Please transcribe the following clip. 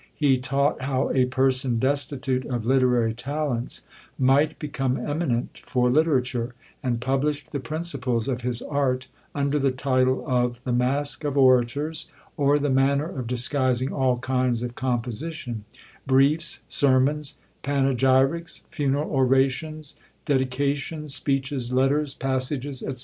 He taught how a person destitute of literary talents might become eminent for literature; and published the principles of his art under the title of "The Mask of Orators; or the manner of disguising all kinds of composition; briefs, sermons, panegyrics, funeral orations, dedications, speeches, letters, passages," &c.